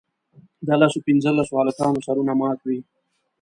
د لسو پینځلسو هلکانو سرونه مات وي.